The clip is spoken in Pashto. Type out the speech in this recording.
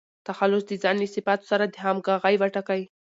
تخلص د ځان له صفاتو سره همږغى وټاکئ!